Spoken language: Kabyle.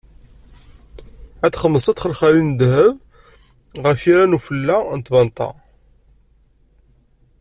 Ad txedmeḍ snat n txelxalin n ddheb ɣef yiran n ufella n tbanta.